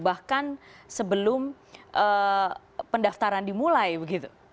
bahkan sebelum pendaftaran dimulai begitu